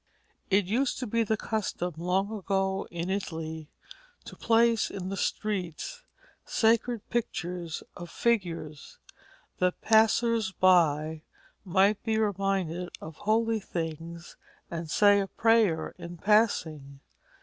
It used to be the custom long ago in Italy to place in the streets sacred pictures or figures, that passers by might be reminded of holy things and say a prayer in passing.